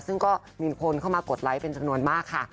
ซึ่งก็มีคนเข้ามากดไลค์เป็นจำนวนมากค่ะ